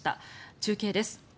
中継です。